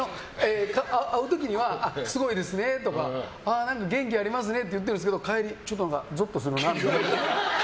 会う時にはすごいですねとか元気ありますねって言ってるんですけど帰り、ちょっとぞっとするなって。